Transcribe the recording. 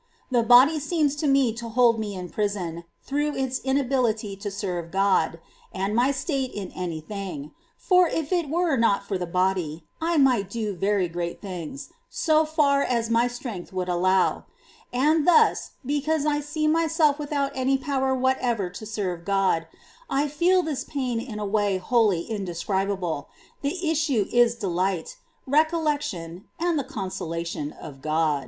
The body seems to me to hold me in prison, through its inability to serve God and my state^ in any thing ; for if it were not for the body, I might do very great things, so far as my strength would allow ; and thus, because I see myself without any power whatever to serve God, I feel this pain in a way wholly indescribable ; the issue is delight, recol lection, and the consolation of God.